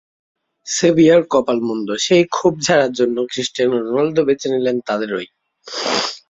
Severe কপাল মন্দ, সেই ক্ষোভ ঝাড়ার জন্য ক্রিস্টিয়ানো রোনালদো বেছে নিলেন তাদেরই।